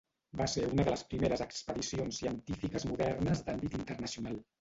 Va ser una de les primeres expedicions científiques modernes d'àmbit internacional.